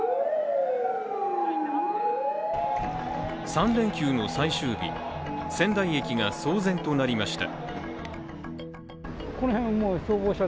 ３連休の最終日、仙台駅が騒然となりました。